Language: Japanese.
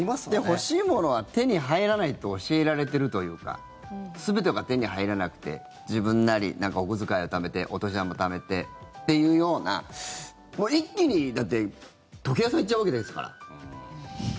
欲しいものは手に入らないと教えられてるというか全てが手に入らなくて自分なり、お小遣いをためてお年玉ためてっていうようなもう一気に溶け出されちゃうわけですから。